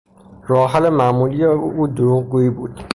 راه حل معمولی او دروغگویی بود.